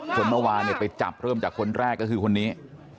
คนเมื่อวานไปจับเริ่มจากคนแรกก็คือคนนี้